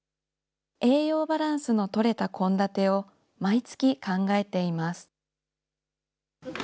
栄養バランスの取れた献立を毎月考えています。